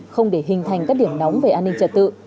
không để hình thành các điểm nóng về an ninh trật tự